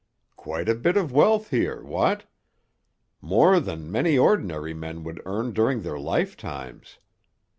"Quite a bit of wealth here, what? More than many ordinary men would earn during their lifetimes.